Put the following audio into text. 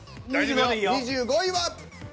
２５位は。